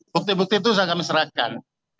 bukti bukti itu sudah kami serahkan